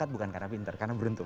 bukan karena pinter karena beruntung